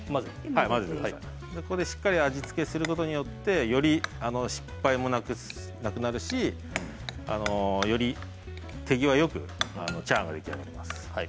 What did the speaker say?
ここで、しっかり味付けをすることによってより失敗もなくなるしより手際よくチャーハンができます。